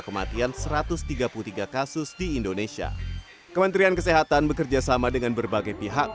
kematian satu ratus tiga puluh tiga kasus di indonesia kementerian kesehatan bekerjasama dengan berbagai pihak